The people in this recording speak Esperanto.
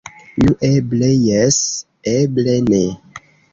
Nu, eble jes, eble ne.